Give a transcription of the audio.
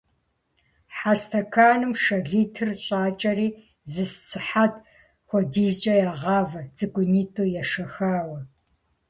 Хьэ стэканым шэ литр щӀакӀэри, зы сыхьэт хуэдизкӀэ ягъавэ, цӀыкӀунитӀэу ешэхауэ.